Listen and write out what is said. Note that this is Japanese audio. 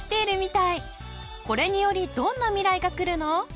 これによりどんなミライが来るの？